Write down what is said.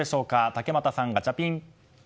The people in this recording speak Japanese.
竹俣さん、ガチャピン。